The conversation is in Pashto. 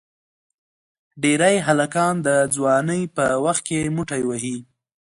ډېری هلکان د ځوانی په وخت کې موټی وهي.